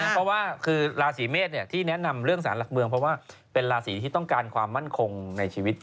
เพราะว่าคือราศีเมษที่แนะนำเรื่องสารหลักเมืองเพราะว่าเป็นราศีที่ต้องการความมั่นคงในชีวิต